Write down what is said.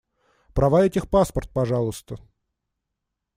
Права и техпаспорт, пожалуйста.